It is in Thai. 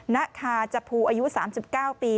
นาคาจับพูอายุ๓๙ปี